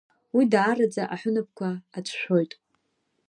Уи даараӡа аҳәынаԥқәа ацәшәоит…